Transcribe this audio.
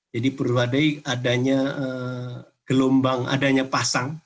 jadi perlu diwaspadai adanya gelombang adanya pasang